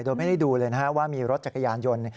โดยไม่ได้ดูเลยว่ามีรถจักรยานยนต์